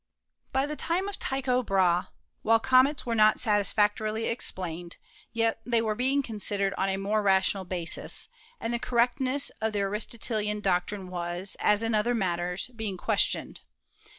By the time of Tycho Brahe, while comets were not satisfactorily explained, yet they were being considered on a more rational basis, and the correctness of the Aristote lian doctrine was, as in other matters, being questioned.